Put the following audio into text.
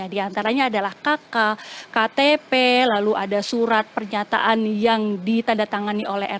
di antaranya adalah kk ktp lalu ada surat pernyataan yang ditandatangani oleh mk